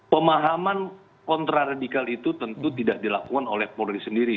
pemahaman kontraradikal itu tentu tidak dilakukan oleh polri sendiri